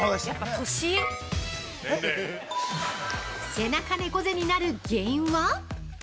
◆背中猫背になる原因は？